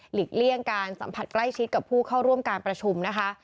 เลี่ยงการสัมผัสใกล้ชิดกับผู้เข้าร่วมการประชุมนะคะ